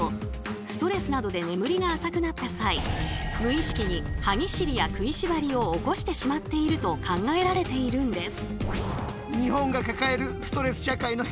ストレスなどで眠りが浅くなった際無意識に歯ぎしりや食いしばりを起こしてしまっていると考えられているんです。